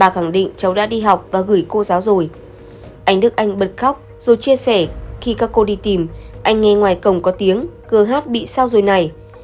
khi các cô đi tìm anh nghe ngoài cổng có tiếng g h bị sao rồi này